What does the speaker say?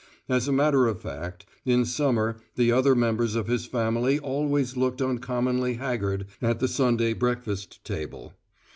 As a matter of fact, in summer, the other members of his family always looked uncommonly haggard at the Sunday breakfast table.